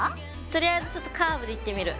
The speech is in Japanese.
とりあえずちょっとカーブでいってみる。